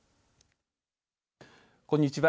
こんにちは。